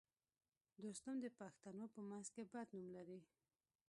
دوستم د پښتنو په منځ کې بد نوم لري